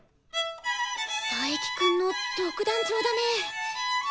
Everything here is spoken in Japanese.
佐伯くんの独壇場だね。